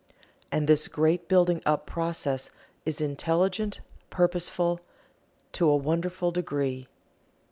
And this great building up process is intelligent, purposeful, to a wonderful degree.